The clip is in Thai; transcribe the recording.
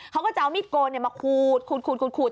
เขาก็จะเอามีดโกลมาขูดขูดขูดขูดขูด